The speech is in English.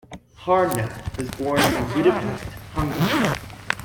Harnad was born in Budapest, Hungary.